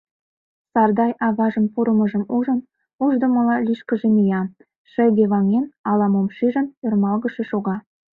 Сардай, аважын пурымыжым ужын, ушдымыла лишкыже мия, шыйге ваҥен, ала-мом шижын, ӧрмалгыше шога.